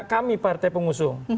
kami partai pengusung